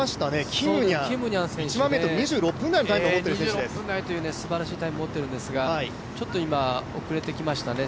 キムニャン選手ですね、１００００ｍ２６分台というすばらしいタイムを持っているんですが、ちょっと遅れてきましたね。